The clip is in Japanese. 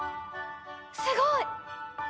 すごい！